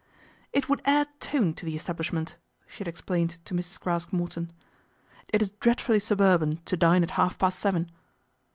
" It would add tone to the establishment," she had explained to Mrs. Craske Morton. " It is dreadfully suburban to dine at half past seven."